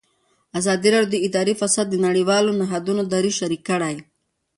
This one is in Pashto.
ازادي راډیو د اداري فساد د نړیوالو نهادونو دریځ شریک کړی.